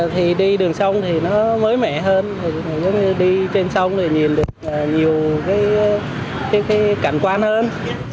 thì đi đường sông thì nó mới mẻ hơn đi trên sông thì nhìn được nhiều cái cảnh quan hơn